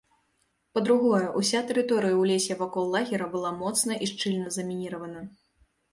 Па-другое, уся тэрыторыя ў лесе вакол лагера была моцна і шчыльна замініравана.